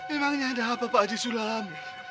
emangnya ada apa pak aji sulam